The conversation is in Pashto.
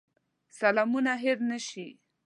سلامونه هېر نه شي.